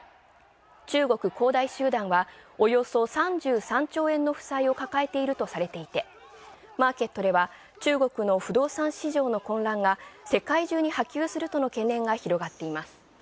中国恒大集団は、およそ３３兆円の負債を抱えているとされていてマーケットでは中国の不動産市場の混乱が世界中に波及するとの懸念が広がっています。